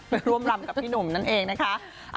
ไปร่วมรำกับพี่หนุ่มนั่นเองนะคะ